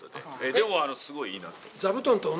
でもすごいいいなと。